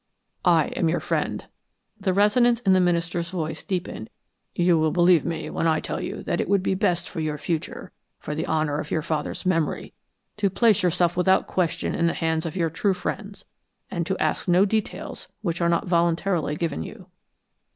"I am your friend." The resonance in the minister's voice deepened. "You will believe me when I tell you that it would be best for your future, for the honor of your father's memory, to place yourself without question in the hands of your true friends, and to ask no details which are not voluntarily given you."